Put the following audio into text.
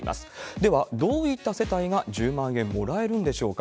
では、どういった世帯が１０万円もらえるんでしょうか。